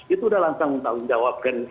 itu udah langsung menjawabkan